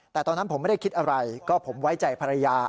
แต่ตอนนั้นผมไม่ได้คิดอะไรก็ผมไว้ใจภรรยา